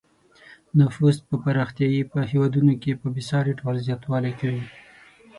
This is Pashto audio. نفوس په پرمختیايي هېوادونو کې په بې ساري ډول زیاتوالی کوي.